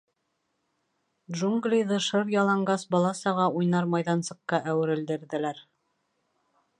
— Джунглиҙы шыр яланғас бала-саға уйнар майҙансыҡҡа әүерелдерҙеләр.